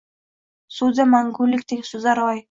Suvda mangulikdek suzar oy…